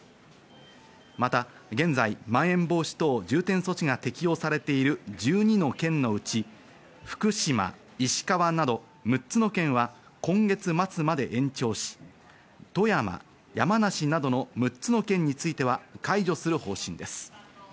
また現在、まん延防止等重点措置が適用されている１２の県のうち、福島、石川など６つの県は今月末まで延長し、富山、山梨などの６つの県については解除する方針です。